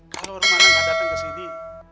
kalau rumana gak datang kesini